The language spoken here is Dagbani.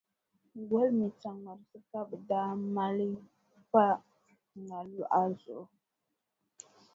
Goli mini saŋmarisi ka bɛ daa maali pa ŋa luɣa zuɣu.